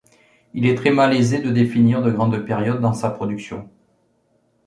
Il est très malaisé de définir de grandes périodes dans sa production.